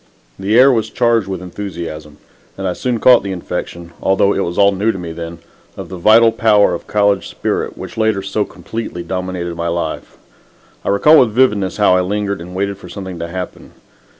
The air was charged with enthusiasm, and I soon caught the infection although it was all new to me then of the vital power of college spirit which later so completely dominated my life. I recall with vividness how I lingered and waited for something to happen.